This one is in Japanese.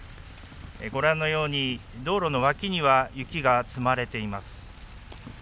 ご覧のように道路の脇には雪が積まれています。